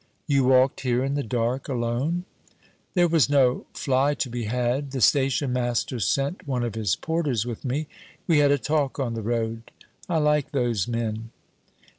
'You walked here in the dark alone?' 'There was no fly to be had. The station master sent one of his porters with me. We had a talk on the road. I like those men.'